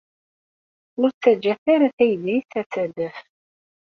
Ur ttaǧǧat ara taydit ad d-tadef.